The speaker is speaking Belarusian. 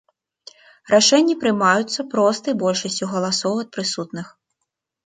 Рашэнні прымаюцца простай большасцю галасоў ад прысутных.